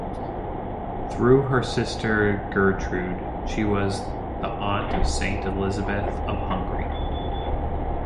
Through her sister Gertrude, she was the aunt of Saint Elizabeth of Hungary.